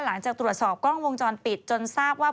หลังจากตรวจสอบกล้องวงจรปิดจนทราบว่า